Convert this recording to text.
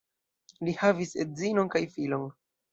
Li havis edzinon kaj filon.